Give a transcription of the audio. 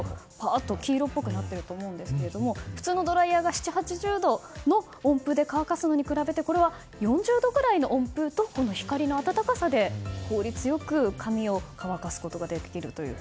黄色っぽくなってると思うんですが普通のドライヤーが７０８０度の温風で乾かせるのと比べてこれは４０度くらいの温風と光の温かさで効率よく髪を乾かすことができるという。